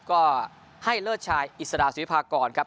ก็ให้เลิศชายอิสราสุวิพากรครับ